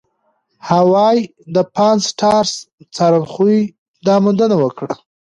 هاوايي د پان-سټارس څارخونې دا موندنه وکړه.